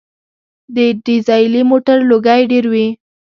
د ډیزلي موټر لوګی ډېر وي.